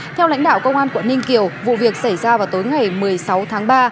theo lãnh đạo công an quận ninh kiều vụ việc xảy ra vào tối ngày một mươi sáu tháng ba